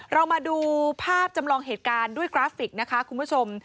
เรามาดูภาพจำลองเหตุการณ์ด้วยกราฟิกนะคะคุณผู้ชม